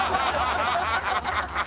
ハハハハ！